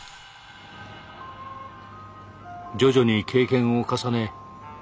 徐々に経験を重ね